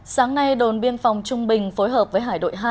sáng nay đồn biên phòng trung bình phối hợp với hải đội hai